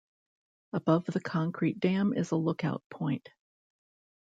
Above the concrete dam is a lookout point.